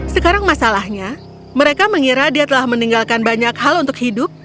sekarang masalahnya mereka mengira dia telah meninggalkan banyak hal untuk hidup